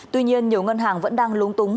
tuy nhiên nhiều ngân hàng vẫn đang lúng túng